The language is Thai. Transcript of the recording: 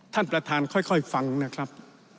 ท่านประธานค่อยฟังนะครับ